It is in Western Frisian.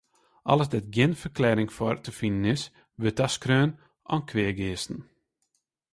Alles dêr't gjin ferklearring foar te finen is, wurdt taskreaun oan kweageasten.